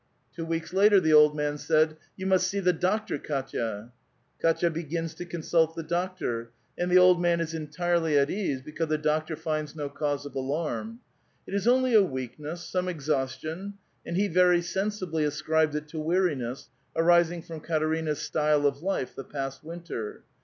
Two weeks later the old man said, ''You must see the doctor, Kdtya." EAtya begins to consult the doctor; and the old man is entirely at ease because the doctor finds no cause of alarm. ''It is onlj' a weakness, some exhaustion"; and he very sensibly ascribed it to weariness, arising from Katerina's style of life the past winter.